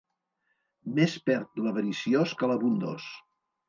Més perd l'avariciós que l'abundós.